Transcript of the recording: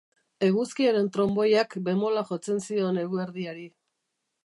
Eguzkiaren tronboiak bemola jartzen zion eguerdiari.